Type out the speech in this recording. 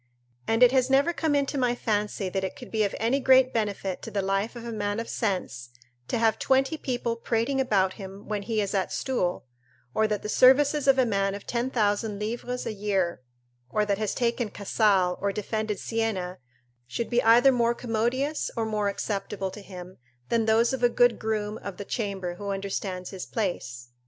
And it has never come into my fancy that it could be of any great benefit to the life of a man of sense to have twenty people prating about him when he is at stool; or that the services of a man of ten thousand livres a year, or that has taken Casale or defended Siena, should be either more commodious or more acceptable to him, than those of a good groom of the chamber who understands his place.